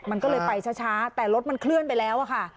มันก็เลยไปช้าแต่รถมันเคลื่อนไปแล้วอะค่ะ